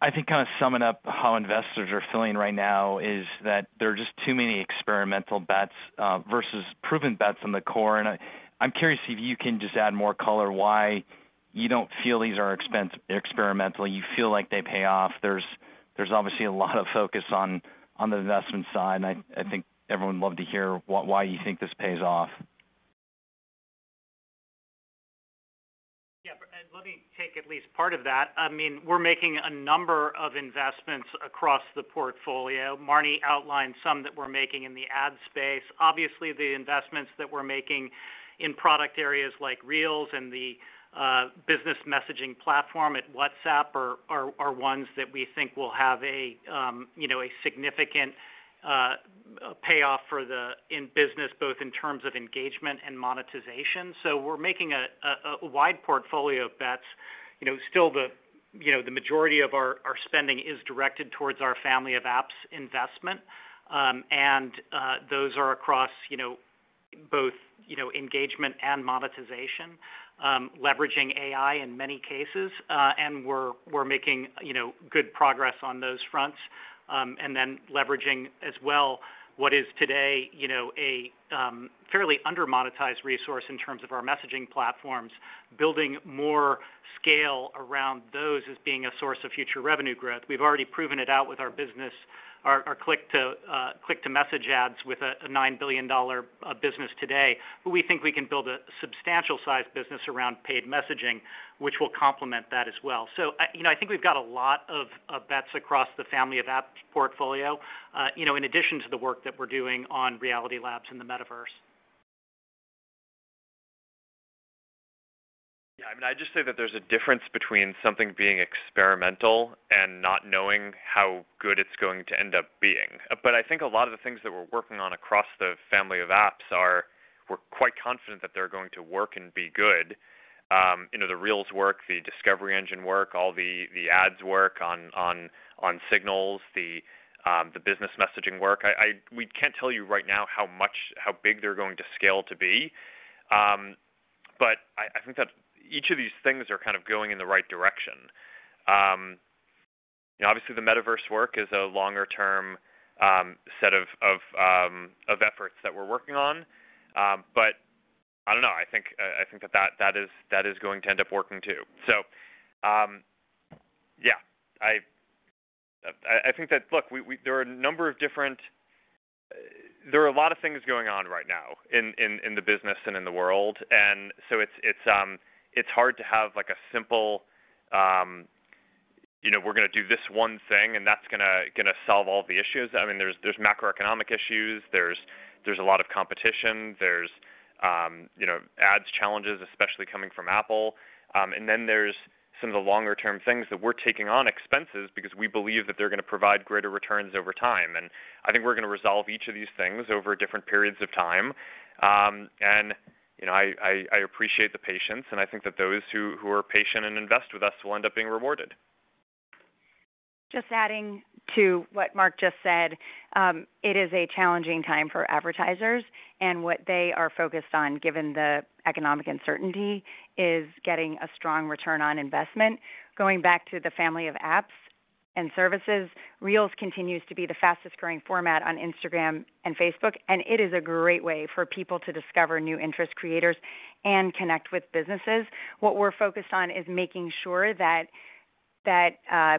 I think kind of summing up how investors are feeling right now is that there are just too many experimental bets versus proven bets on the core. I'm curious if you can just add more color why you don't feel these are experimental. You feel like they pay off. There's obviously a lot of focus on the investment side, and I think everyone would love to hear why you think this pays off. Yeah, let me take at least part of that. I mean, we're making a number of investments across the portfolio. Marne outlined some that we're making in the ad space. Obviously, the investments that we're making in product areas like Reels and the business messaging platform at WhatsApp are ones that we think will have a significant payoff in business, both in terms of engagement and monetization. We're making a wide portfolio of bets. You know, still the majority of our spending is directed towards our family of apps investment. Those are across both engagement and monetization, leveraging AI in many cases. We're making good progress on those fronts. Leveraging as well what is today, you know, a fairly under-monetized resource in terms of our messaging platforms, building more scale around those as being a source of future revenue growth. We've already proven it out with our business, our click to message ads with a $9 billion business today, but we think we can build a substantial size business around paid messaging, which will complement that as well. I, you know, I think we've got a lot of bets across the family of apps portfolio, you know, in addition to the work that we're doing on Reality Labs in the Metaverse. Yeah. I mean, I'd just say that there's a difference between something being experimental and not knowing how good it's going to end up being. I think a lot of the things that we're working on across the family of apps we're quite confident that they're going to work and be good. You know, the Reels work, the Discovery engine work, all the ads work on signals, the business messaging work. We can't tell you right now how much, how big they're going to scale to be. I think that each of these things are kind of going in the right direction. You know, obviously the Metaverse work is a longer term set of efforts that we're working on. I don't know. I think that is going to end up working too. Yeah. I think, look, there are a lot of things going on right now in the business and in the world, and so it's hard to have like a simple, you know, we're gonna do this one thing, and that's gonna solve all the issues. I mean, there's macroeconomic issues. There's a lot of competition. There's, you know, ads challenges, especially coming from Apple. Then there's some of the longer term things that we're taking on expenses because we believe that they're gonna provide greater returns over time. I think we're gonna resolve each of these things over different periods of time. You know, I appreciate the patience, and I think that those who are patient and invest with us will end up being rewarded. Just adding to what Mark just said. It is a challenging time for advertisers, and what they are focused on, given the economic uncertainty, is getting a strong return on investment. Going back to the family of apps and services, Reels continues to be the fastest growing format on Instagram and Facebook, and it is a great way for people to discover new interest creators and connect with businesses. What we're focused on is making sure that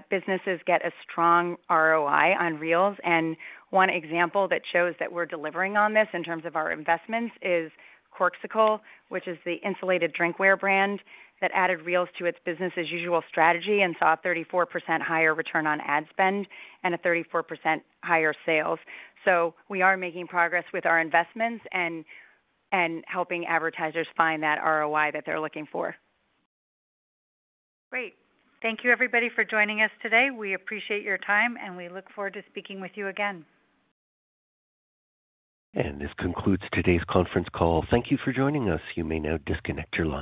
businesses get a strong ROI on Reels, and one example that shows that we're delivering on this in terms of our investments is Corkcicle, which is the insulated drinkware brand that added Reels to its business as usual strategy and saw 34% higher return on ad spend and a 34% higher sales. We are making progress with our investments and helping advertisers find that ROI that they're looking for. Great. Thank you everybody for joining us today. We appreciate your time, and we look forward to speaking with you again. This concludes today's conference call. Thank you for joining us. You may now disconnect your line.